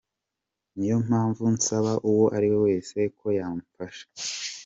Niyo mpamvu nsaba uwo ari wese ko yamfasha.